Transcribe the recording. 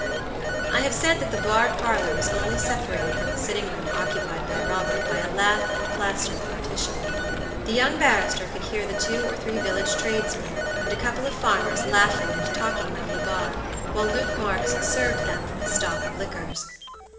I have said that the bar parlor was only separated from the sitting room occupied by Robert by a lath and plaster partition. The young barrister could hear the two or three village tradesmen and a couple of farmers laughing and talking round the bar, while Luke Marks served them from his stock of liquors.